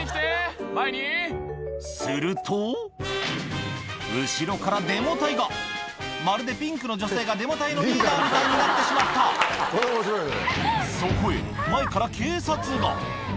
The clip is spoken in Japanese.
すると後ろからデモ隊がまるでピンクの女性がデモ隊のリーダーみたいになってしまったこれ面白いね。